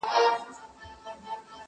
د کونړ تر یکه زاره نن جاله له کومه راوړو،